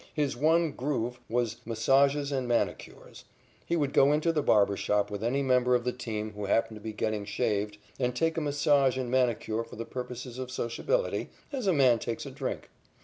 His one "groove" was massages and manicures. He would go into the barber shop with any member of the team who happened to be getting shaved and take a massage and manicure for the purposes of sociability, as a man takes a drink.